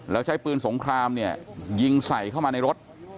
แล้วใช้ปืนสงครามเนี่ยยิงใส่เข้ามาในรถ